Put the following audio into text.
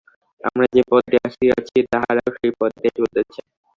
আমরা যে-পথ দিয়া আসিয়াছি, তাহারাও সেই পথ দিয়া চলিতেছে।